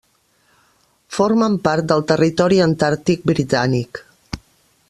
Formen part del Territori Antàrtic Britànic.